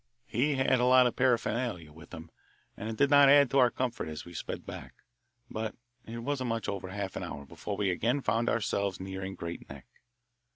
He had a lot of paraphernalia with him, and it did not add to our comfort as we sped back, but it wasn't much over half an hour before we again found ourselves nearing Great Neck.